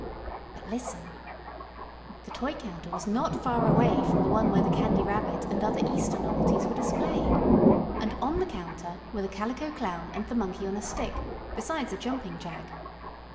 But listen! The toy counter was not far away from the one where the Candy Rabbit and other Easter novelties were displayed. And on the counter were the Calico Clown and the Monkey on a Stick, besides a Jumping Jack.